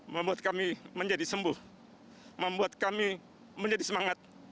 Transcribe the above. membuat kami menjadi sembuh membuat kami menjadi semangat